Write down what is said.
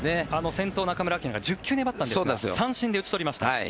先頭の中村晃が１０球粘ったんですが三振で打ち取りました。